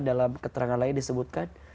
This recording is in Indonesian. dalam keterangan lain disebutkan